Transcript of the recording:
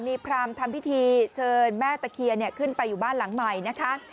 มีพรามทำพิธีเชิญแม่ตะเคียนขึ้นไปอยู่บ้านหลังใหม่นะคะ